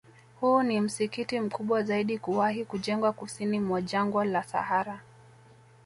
Huu ni msikiti mkubwa zaidi kuwahi kujengwa Kusini mwa Jangwa la Sahara